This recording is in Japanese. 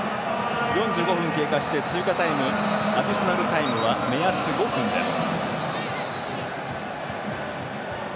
４５分経過して追加タイムアディショナルタイムは目安５分です。